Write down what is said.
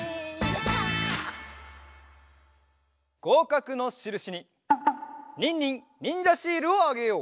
ごうかくのしるしにニンニンにんじゃシールをあげよう！